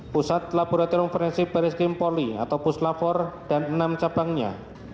pusat laboratorium forensik bereskrim poli atau puslavor dan enam cabangnya